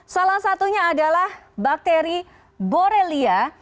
salah satunya adalah bakteri borelia